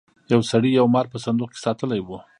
یو سړي یو مار په صندوق کې ساتلی و.